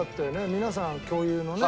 皆さん共有のね